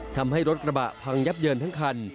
ทำให้รถกระบะพังยับเยินทั้งคัน